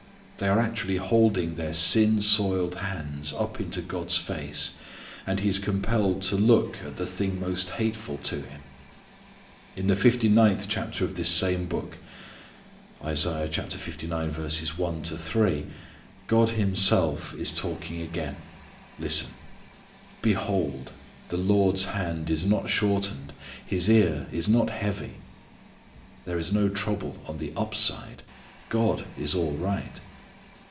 _ They are actually holding their sin soiled hands up into God's face; and He is compelled to look at the thing most hateful to Him. In the fifty ninth chapter of this same book, God Himself is talking again. Listen "Behold! the Lord's hand is not shortened: His ear is not heavy." There is no trouble on the up side. God is all right.